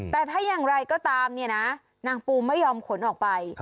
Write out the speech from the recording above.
แต่ถ้าอย่างไรก็ตามเนี่ยนะนางปูไม่ยอมขนออกไป